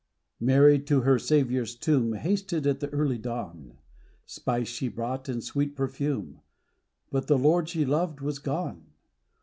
Mary, to her Saviour's tomb, Hasted at the early dawn : Spice she brought, and sweet perfume, But the Lord she loved was gone.